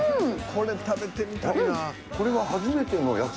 「これ食べてみたいな」